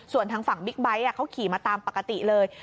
ส่วนทางฝั่งบิ๊กไบท์เขาขี่มาตามปกติเลย